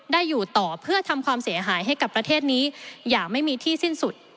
ได้อยู่ต่อเพื่อทำความเสียหายให้กับประเทศนี้อย่างไม่มีที่สิ้นสุด